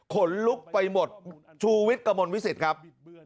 ขนลุกไปหมดชูวิทย์กระมวลวิสิตครับ